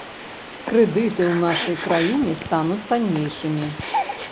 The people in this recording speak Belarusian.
Крэдыты ў нашай краіне стануць таннейшымі.